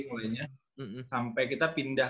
mulainya sampai kita pindah